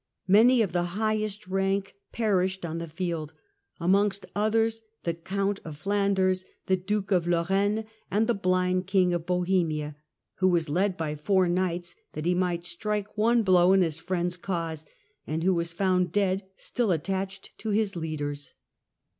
Many of the highest rank perished on the field ; amongst others the Count of Flanders, the Duke of Lorraine and the bhnd King of Bohemia, who was led by four Knights, that he might strike one blow in his friend's cause, and who was found dead still attached to his leaders.